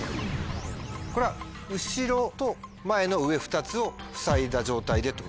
これは後ろと前の上２つをふさいだ状態でってことか。